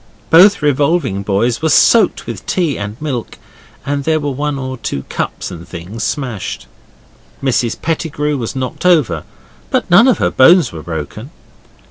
Both revolving boys were soaked with tea and milk, and there were one or two cups and things smashed. Mrs Pettigrew was knocked over, but none of her bones were broken.